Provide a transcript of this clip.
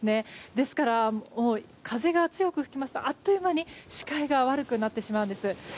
ですから、風が強く吹きますとあっという間に視界が悪くなってしまうんです。